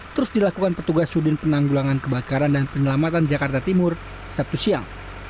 terus dilakukan petugas sudin penanggulangan kebakaran dan penyelamatan jakarta timur sabtu siang